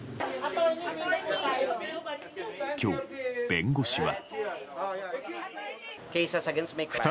今日、弁護士は。